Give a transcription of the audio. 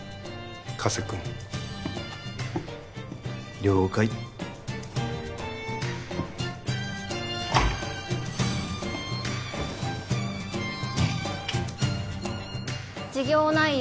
加瀬君了解事業内容